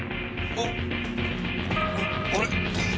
あっあれ？